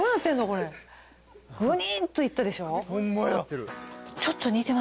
これグニッといったでしょ？